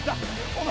お前。